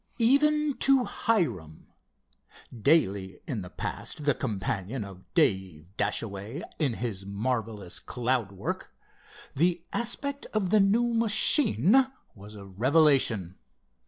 Even to Hiram, daily in the past the companion of Dave Dashaway in his marvelous cloud work, the aspect of the new machine was a revelation.